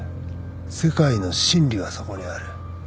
世界の真理がそこにある